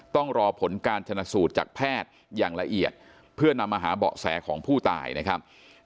ต้องรอผลการชนะสูตรจากแพทย์อย่างละเอียดเพื่อนำมาหาเบาะแสของผู้ตายนะครับ